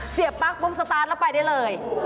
ปั๊กปุ๊บสตาร์ทแล้วไปได้เลย